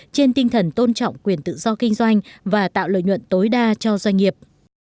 trên tinh thần tôn trọng quyền tự do kinh doanh và tạo lợi nhuận tối đa cho doanh nghiệp